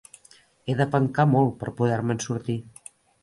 He de pencar molt per poder-me'n sortir.